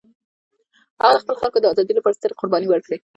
هغه د خپل خلکو د ازادۍ لپاره سترې قربانۍ ورکړې.